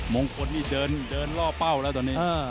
มงคลนี่เดินล่อเป้าแล้วตอนนี้